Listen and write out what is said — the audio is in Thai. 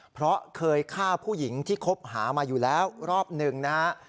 เพราะเคยฆ่าผู้หญิงที่คบหามาอยู่แล้วรอบหนึ่งนะฮะ